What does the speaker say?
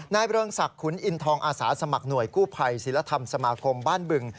เริงศักดิ์ขุนอินทองอาสาสมัครหน่วยกู้ภัยศิลธรรมสมาคมบ้านบึง